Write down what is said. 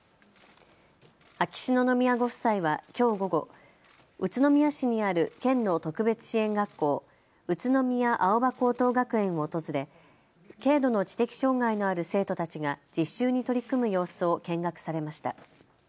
秋篠宮ご夫妻はきょう午後、宇都宮市にある県の特別支援学校、宇都宮青葉高等学園を訪れ軽度の知的障害のある生徒たちが実習に取り組む様子を見学されました。